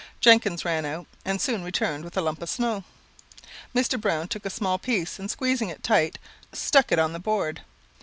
Jenkins ran out, and soon returned with a lump of snow. Mr. Browne took a small piece, and squeezing it tight, stuck it upon the board.